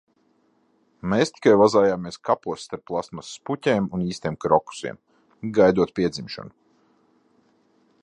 Mēs tik vazājamies kapos starp plastmasas puķēm un īstiem krokusiem, gaidot piedzimšanu.